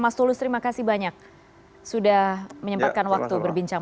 mas tulus terima kasih banyak sudah menyempatkan waktu berbincang